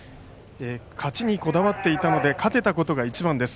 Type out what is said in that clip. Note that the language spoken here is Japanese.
勝ちにこだわっていたので勝てたことが一番です。